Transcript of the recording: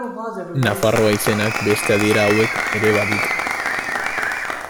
Nafarroa izenak beste adiera hauek ere baditu.